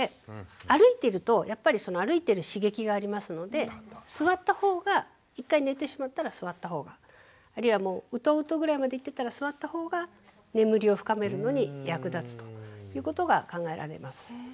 歩いてるとやっぱりその歩いてる刺激がありますので座ったほうが１回寝てしまったら座ったほうがあるいはウトウトぐらいまでいってたら座ったほうが眠りを深めるのに役立つということが考えられます。